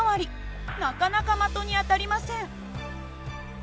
なかなか的に当たりません。